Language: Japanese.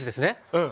うん。